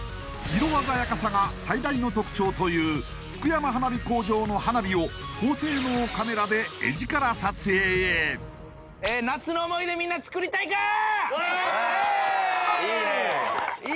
色鮮やかさが最大の特徴という福山花火工場の花火を高性能カメラでエヂカラ撮影へいくぞー！